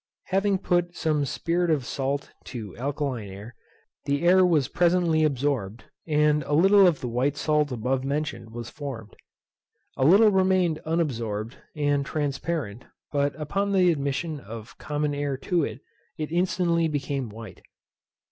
Having put some spirit of salt to alkaline air, the air was presently absorbed, and a little of the white salt above mentioned was formed. A little remained unabsorbed, and transparent, but upon the admission of common air to it, it instantly became white.